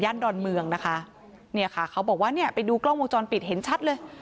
ดอนเมืองนะคะเนี่ยค่ะเขาบอกว่าเนี่ยไปดูกล้องวงจรปิดเห็นชัดเลย